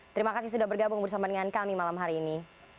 terima kasih sudah bergabung bersama dengan kami malam hari ini